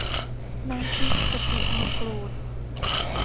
น้ำพริกกะปิมะกรูด